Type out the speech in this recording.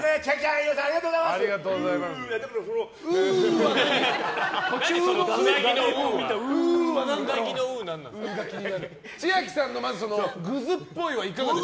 飯尾さんありがとうございます！